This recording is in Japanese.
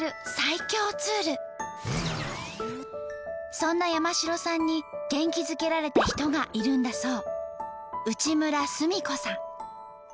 そんな山城さんに元気づけられた人がいるんだそう。